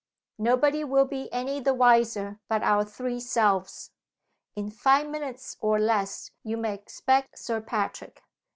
Nobody will be any the wiser but our three selves. In five minutes or less you may expect Sir Patrick.